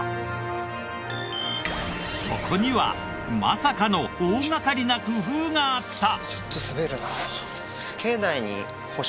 そこにはまさかの大掛かりな工夫があった！